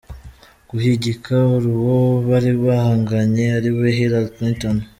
guhigika uwo bari bahanganye ari we Hillary Clinton.